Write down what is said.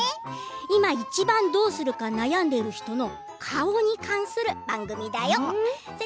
今いちばんどうするか悩んでいる人の顔に関する番組だよ。